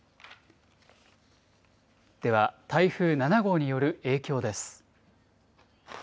では台風７号による影響です。